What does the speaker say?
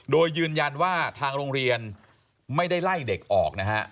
โดยยืนยันว่าทางโรงเรียนไม่ได้ไล่เด็กออกนะฮะ